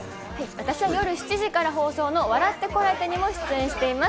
私は夜７時から放送の『笑ってコラえて！』にも出演しています。